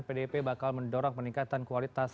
pdip bakal mendorong peningkatan kualitas